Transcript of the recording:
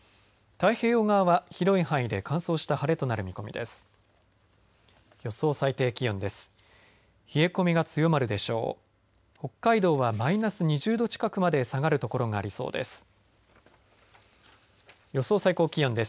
太平洋側は広い範囲で乾燥した晴れとなる見込みです。